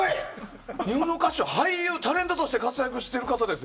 日本の歌手、俳優タレントとして活躍している方です。